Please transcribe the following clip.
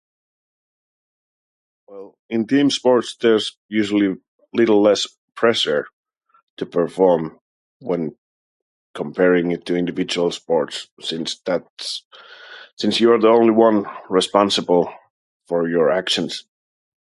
In team sports there's usually little less pressure to perform when comparing it to individual sports since that's since you're the only one who responsible for your actions